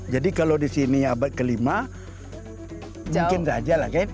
jadi kalau disini abad ke lima mungkin saja lah